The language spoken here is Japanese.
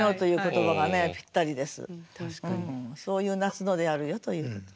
そういう夏野であるよということ。